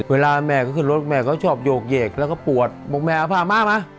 เวลาแม่ก็ขึ้นรถแม่เขาชอบโยกเหยกแล้วก็ปวดบอกแม่เอาผ้าม่ามา